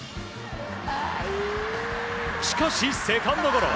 しかし、セカンドゴロ。